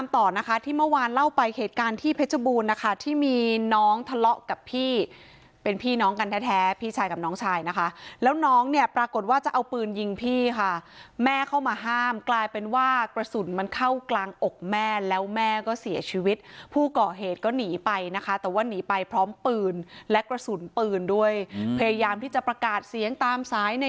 ต่อนะคะที่เมื่อวานเล่าไปเหตุการณ์ที่เพชรบูรณ์นะคะที่มีน้องทะเลาะกับพี่เป็นพี่น้องกันแท้พี่ชายกับน้องชายนะคะแล้วน้องเนี่ยปรากฏว่าจะเอาปืนยิงพี่ค่ะแม่เข้ามาห้ามกลายเป็นว่ากระสุนมันเข้ากลางอกแม่แล้วแม่ก็เสียชีวิตผู้ก่อเหตุก็หนีไปนะคะแต่ว่าหนีไปพร้อมปืนและกระสุนปืนด้วยพยายามที่จะประกาศเสียงตามสายใน